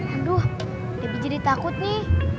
aduh debit jadi takut nih